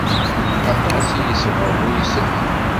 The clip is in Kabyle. Aṭas i isebren uysen.